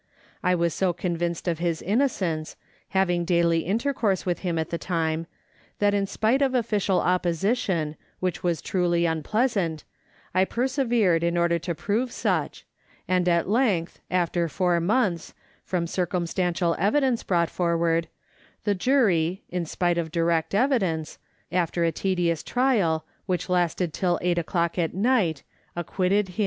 I was so convinced of his innocence, having daily intercourse with him at the time, that in spite of official opposition, which was truly unpleasant, I persevered in order to prove such, and at length, after four months, from circumstantial evidence brought forward, the jury (in spite of direct evidence 1 ), after a tedious trial, which lasted till eight o'clock at night, acquitted him.